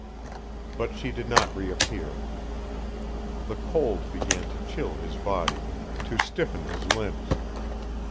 But she did not reappear. The cold began to chill his body, to stiffen his limbs.